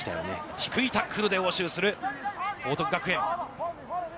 低いタックルで応酬する報徳学園。